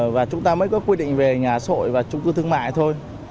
và chúng ta mới có quy định về nhà sội và trung cư thương mại thôi